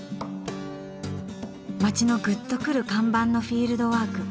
町のグッとくる看板のフィールドワーク